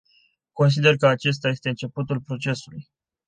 Consider că acesta este începutul procesului.